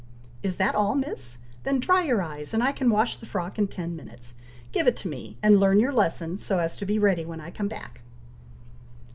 "Is that all, Miss! Then dry your eyes, and I can wash the frock in ten minutes. Give it to me, and learn your lesson, so as to be ready when I come back."